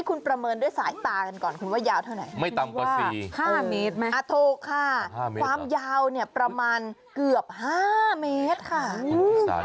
คนปีศาสตร์ภาคมีสายตาดีวัดให้แม่นมากเลยน่ะ